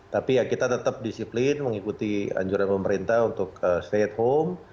tapi ya kita tetap disiplin mengikuti anjuran pemerintah untuk stay at home